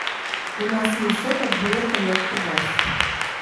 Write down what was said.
У нас не ўсё так глуха, як у вас.